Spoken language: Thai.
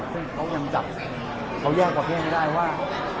เขายากว่าแค่นี้ก็ได้ว่า